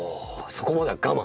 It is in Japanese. そこまでは我慢？